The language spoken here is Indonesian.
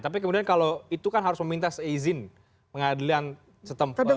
tapi kemudian kalau itu kan harus meminta izin pengadilan setempat